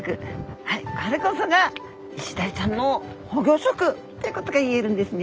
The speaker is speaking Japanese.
はいこれこそがイシダイちゃんの保護色ってことが言えるんですね。